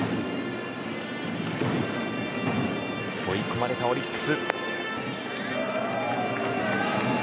追い込まれたオリックス。